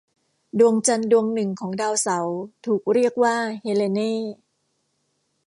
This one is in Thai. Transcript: ดวงจันทร์ดวงหนึ่งของดาวเสาร์ถูกเรียกว่าเฮเลเน่.